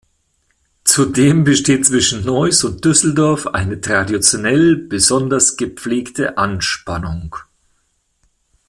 Zudem besteht zwischen Neuss und Düsseldorf eine traditionell besonders gepflegte Anspannung.